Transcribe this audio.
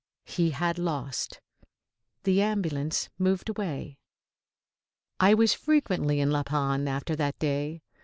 He had lost. The ambulance moved away. I was frequently in La Panne after that day.